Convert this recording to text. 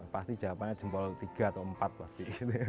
pasti jawabannya jempol tiga atau empat pasti